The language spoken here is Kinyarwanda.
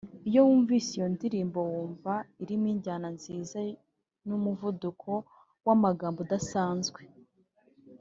Iyo wumvise iyo ndirimbo wumva irimo injyana nziza n’umuvuduko w’amagambo udasanzwe